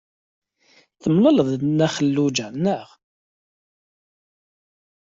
Temlaleḍ-d Nna Xelluǧa, naɣ?